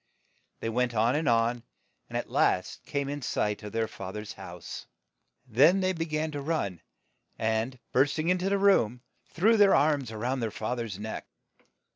They went on and on, and at last came in sight of their fa ther's house. Then they be gan to run, and burst ing in to the room, threw their arms round their fa ther's neck.